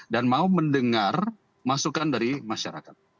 dan mau mendengar masukan dari masyarakat